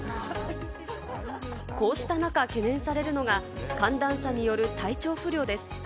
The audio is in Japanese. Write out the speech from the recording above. こうした中、懸念されるのは、寒暖差による体調不良です。